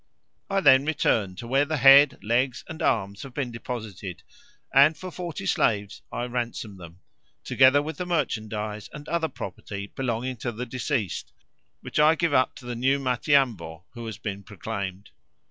I then return to where the head, legs, and arms have been deposited, and, for forty slaves, I ransom them, together with the merchandise and other property belonging to the deceased, which I give up to the new Matiamvo, who has been proclaimed.